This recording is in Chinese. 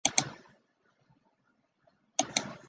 是连接市区与高校之间的重要线路。